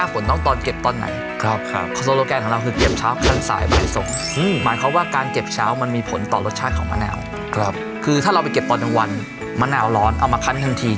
คือถ้าเราไปเก็บตอนกลางวันมะนาวร้อนเอามาคันทันที